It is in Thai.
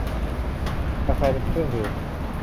กาแฟเป็นเครื่องดื่ม